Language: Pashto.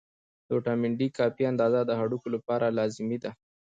د ویټامین D کافي اندازه د هډوکو لپاره لازمي ده.